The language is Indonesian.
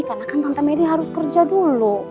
karena kan tante meli harus kerja dulu